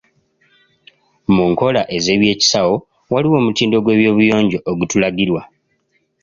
Mu nkola ez'ebyekisawo, waliwo omutindo gw'ebyobuyonjo ogutulagirwa.